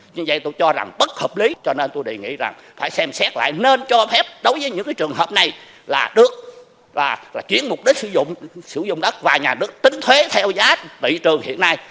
như vậy tôi cho rằng bất hợp lý cho nên tôi đề nghị rằng phải xem xét lại nên cho phép đối với những trường hợp này là được chuyển mục đích sử dụng đất và nhà nước tính thuế theo giá thị trường hiện nay